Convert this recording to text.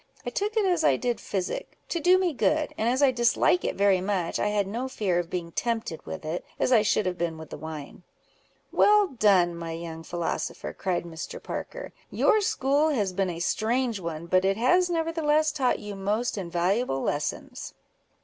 I took it as I did physic, to do me good; and as I dislike it very much, I had no fear of being tempted with it, as I should have been with wine." "Well done, my young philosopher!" cried Mr. Parker. "Your school has been a strange one, but it has nevertheless taught you most invaluable lessons."